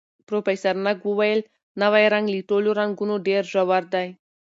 پروفیسر نګ وویل، نوی رنګ له ټولو رنګونو ډېر ژور دی.